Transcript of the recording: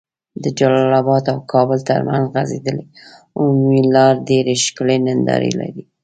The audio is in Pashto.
د جلال اباد او کابل تر منځ غځيدلي عمومي لار ډيري ښکلي ننداري لرې